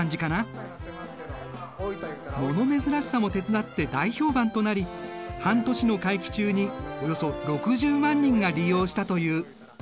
物珍しさも手伝って大評判となり半年の会期中におよそ６０万人が利用したという。